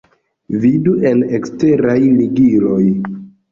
Vidu en eksteraj ligiloj.